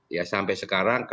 ya sampai sekarang kta